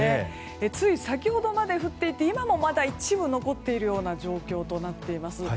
つい先ほどまで降っていて今もまだ一部で残っているような状況となっています。